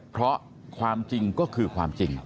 เพราะความจริงก็คือความจริง